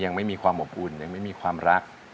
ยังไม่มีความอบอุ่นยังไม่มีความรัก